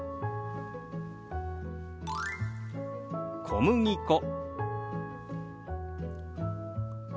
「小麦粉」。